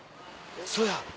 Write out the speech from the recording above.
そうや。